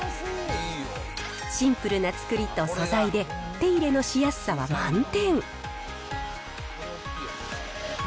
シンプルな作りと素材で、手入れのしやすさは満点。